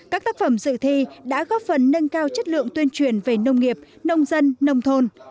các tác phẩm dự thi đã góp phần nâng cao chất lượng tuyên truyền về nông nghiệp nông dân nông thôn